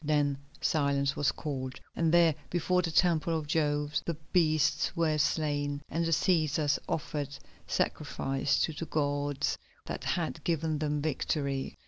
Then silence was called, and there before the Temple of Jove the beasts were slain, and the Cæsars offered sacrifice to the gods that had given them victory.